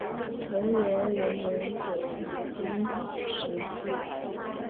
承元元年九条兼实薨。